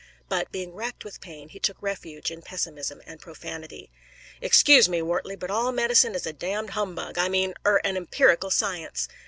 But, being racked with pain, he took refuge in pessimism and profanity. "Excuse me, Wortley, but all medicine is a damned humbug! I mean er an empirical science.